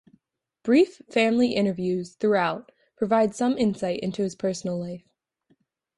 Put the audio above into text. Brief family interviews throughout provide some insight into his personal life.